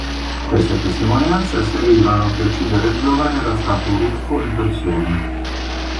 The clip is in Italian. Queste testimonianze asserivano che a uccidere il giovane era stato Ruffo in persona.